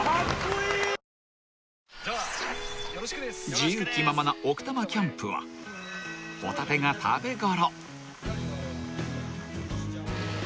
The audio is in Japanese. ［自由気ままな奥多摩キャンプはホタテが食べ頃］